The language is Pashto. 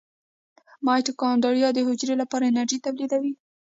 مایتوکاندري د حجرې لپاره انرژي تولیدوي